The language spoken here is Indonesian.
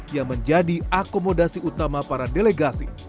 yang menjadi akomodasi utama para delegasi